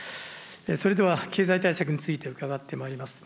それでは、経済対策について伺ってまいります。